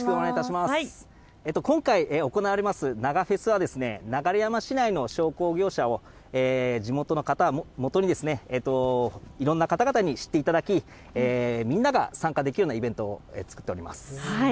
今回行われますながフェスは流山市内の商工業者を地元の方をもとにいろんな方々に知っていただき、みんなが参加できるイベントを作っております。